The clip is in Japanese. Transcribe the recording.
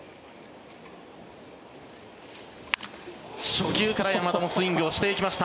初球から山田もスイングをしていきました。